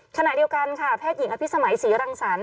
ขณะเดียวกันค่ะแพทย์หญิงอภิษมัยศรีรังสรรค